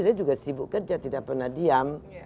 saya juga sibuk kerja tidak pernah diam